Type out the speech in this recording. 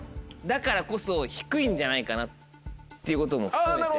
だからこそ低いんじゃないかなっていうことも含めて。